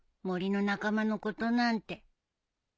森の仲間のことなんて。